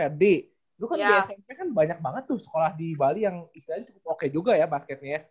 sd dulu kan di smp kan banyak banget tuh sekolah di bali yang istilahnya cukup oke juga ya basketnya ya